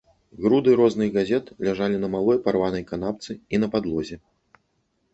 Груды розных газет ляжалі на малой парванай канапцы і на падлозе.